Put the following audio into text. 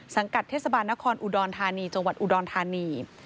กัดเทศบาลนครอุดรธานีจังหวัดอุดรธานี